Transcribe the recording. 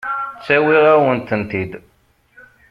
Ttawiɣ-awen-tent-id.